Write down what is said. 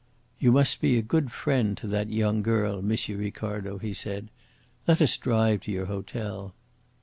"You must be a good friend to that young girl, M. Ricardo," he said. "Let us drive to your hotel."